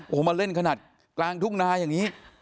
โอ้โหมาเล่นขนาดกลางทุ่งนาอย่างนี้